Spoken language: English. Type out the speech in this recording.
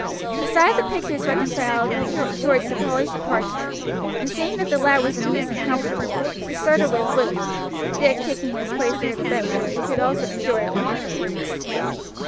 The sight of the pictures reconciled George to Polly's departure, and seeing the lad was amused and comfortable, she started with Luke, Dick taking his place near the bed, where he could also enjoy a look at the pictures.